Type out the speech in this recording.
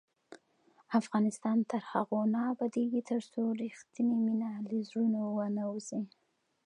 افغانستان تر هغو نه ابادیږي، ترڅو رښتینې مینه له زړونو ونه وځي.